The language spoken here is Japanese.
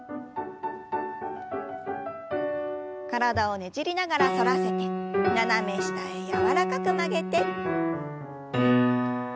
体をねじりながら反らせて斜め下へ柔らかく曲げて。